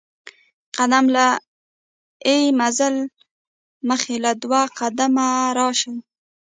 قدم له ئې منزل مخي له دوه قدمه راشي